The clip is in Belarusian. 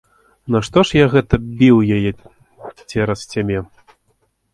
Нашто ж я гэта біў яе цераз цябе!